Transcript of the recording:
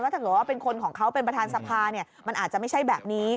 ถ้าเกิดว่าเป็นคนของเขาเป็นประธานสภามันอาจจะไม่ใช่แบบนี้